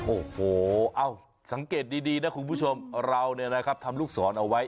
โอ้โหเอ้าสังเกตดีนะคุณผู้ชมเราเนี่ยนะครับทำลูกศรเอาไว้